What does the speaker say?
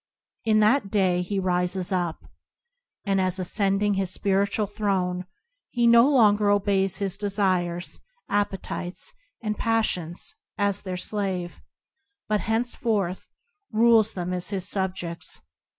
In that day, he rises up, and, as cending his spiritual throne, he no longer obeys his desires, appetites, and passions as their slave, but henceforth rules them as his subjects.